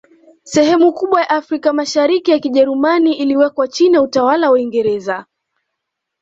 Sehemu kubwa ya Afrika ya Mashariki ya Kijerumani iliwekwa chini ya utawala wa Uingereza